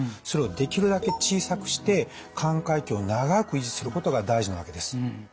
それをできるだけ小さくして寛解期を長く維持することが大事なわけです。